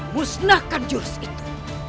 musnahkan jurus itu